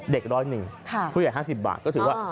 เด็ก๑๐๑บาทผู้ใหญ่๕๐บาทก็ถือว่า